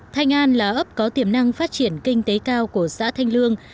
thanh an là ấp có tiềm năng phát triển kinh tế cao của xã thanh lương